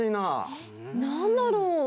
えっ何だろう？